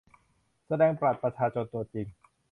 เช่น แสดงบัตรประชาชนตัวจริง